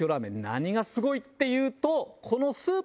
何がすごいっていうと。